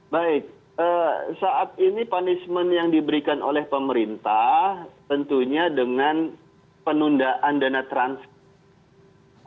baik saat ini punishment yang diberikan oleh pemerintah tentunya dengan penundaan dana transaksi